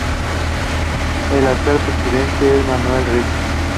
El actual presidente es Manuel Rico.